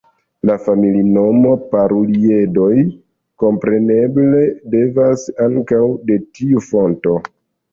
La familinomo, Paruliedoj, kompreneble devenas ankaŭ de tiu fonto.